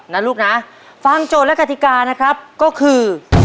นะลูกนะฟังโจทย์และกติกานะครับก็คือ